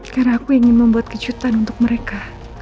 karena aku ingin membuat kejutan untuk mereka